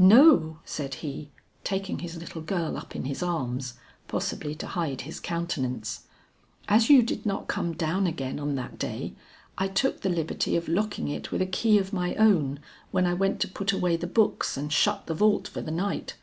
"No," said he, taking his little girl up in his arms, possibly to hide his countenance. "As you did not come down again on that day, I took the liberty of locking it with a key of my own when I went to put away the books and shut the vault for the night."